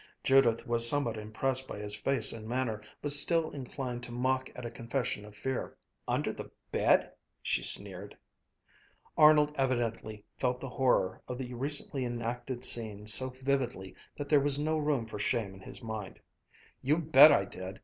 Judith was somewhat impressed by his face and manner, but still inclined to mock at a confession of fear. "Under the bed!" she sneered. Arnold evidently felt the horror of the recently enacted scene so vividly that there was no room for shame in his mind. "You bet I did!